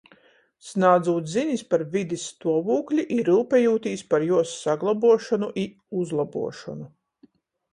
Snādzūt zinis par vidis stuovūkli i ryupejūtīs par juos saglobuošonu i uzlobuošonu.